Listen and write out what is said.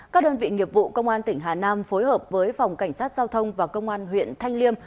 các đơn vị nghiệp vụ công an tỉnh hà nam phối hợp với phòng cảnh sát giao thông và công an huyện thanh liêm